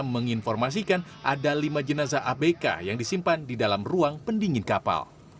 menginformasikan ada lima jenazah abk yang disimpan di dalam ruang pendingin kapal